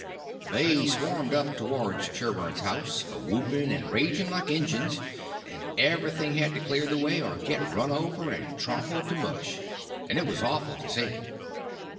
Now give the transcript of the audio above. They swarmed up towards Sherburn's house, a whooping and raging like Injuns, and everything had to clear the way or get run over and tromped to mush, and it was awful to see.